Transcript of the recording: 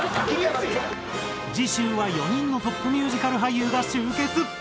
次週は４人のトップミュージカル俳優が集結。